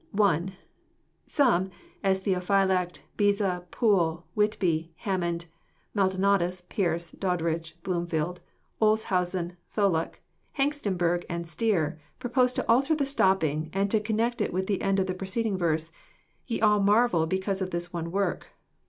(1) Some, as Theophylact, Beza, Poole, Whitby, Hammond, Maldonatus, Pearce, Doddridge, Bloomfleld, Olshausen, Tholuck, Hengstenberg, and Stier, propose to alter the stopping, and to connect it with the end of the preceding verse, — ye all marvel because of this one work."